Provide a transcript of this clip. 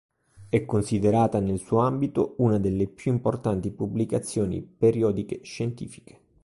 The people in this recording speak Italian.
È considerata nel suo ambito una delle più importanti pubblicazioni periodiche scientifiche.